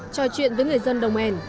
trò chuyện với người dân đồng ến